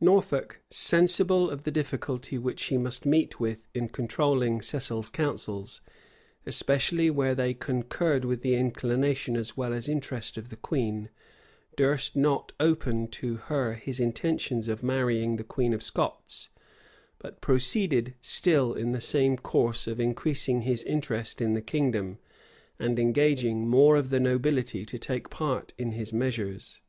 Norfolk, sensible of the difficulty which he must meet with in controlling Cecil's counsels, especially where they concurred with the inclination as well as interest of the queen, durst not open to her his intentions of marrying the queen of Scots, but proceeded still in the same course of increasing his interest in the kingdom, and engaging more of the nobility to take part in his measures.